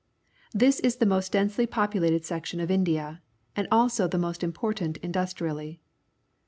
This is the most densely populated section of India and also the most important industrially.